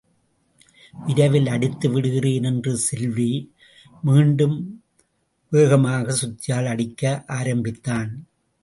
விரைவில் அடித்து விடுகிறேன். என்று சொல்வி, மீண்டும் வேகமாகச் சுத்தியால் அடிக்க ஆரம்பித்தான்.